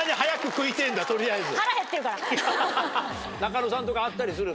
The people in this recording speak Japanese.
中野さんとかあったりする？